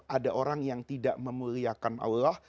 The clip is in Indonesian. ada orang yang tidak memuliakan allah